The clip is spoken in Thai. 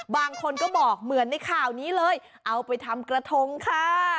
บางคนก็บอกเหมือนในข่าวนี้เลยเอาไปทำกระทงค่ะ